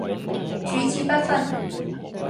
主次不分